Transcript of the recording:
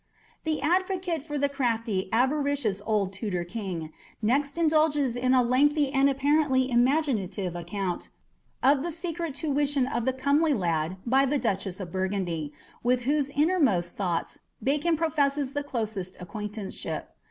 The advocate for the crafty, avaricious, old Tudor king, next indulges in a lengthy and apparently imaginative account of the secret tuition of the comely lad by the Duchess of Burgundy, with whose innermost thoughts Bacon professes the closest acquaintanceship.